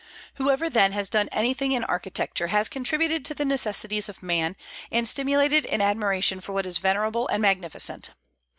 Whoever, then, has done anything in architecture has contributed to the necessities of man, and stimulated an admiration for what is venerable and magnificent.